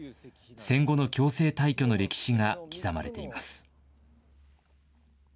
戦後の強制退去の歴史が刻まれています。